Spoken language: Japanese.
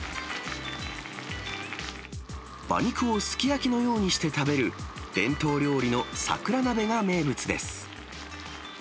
馬肉をすき焼きのようにして食べる、伝統料理の桜なべが名物です。